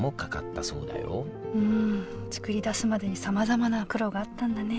うん作り出すまでにさまざまな苦労があったんだね。